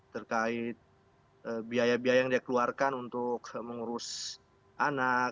terkait biaya biaya yang dia keluarkan untuk mengurus anak